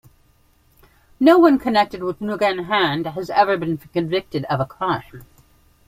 No one connected with Nugan Hand has ever been convicted of a crime.